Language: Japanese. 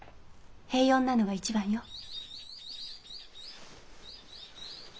平穏なのが一番よ。